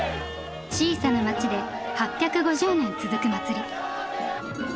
小さな町で８５０年続く祭り。